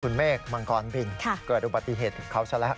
คุณเมฆมังกรพินเกิดอุบัติเหตุกับเขาซะแล้ว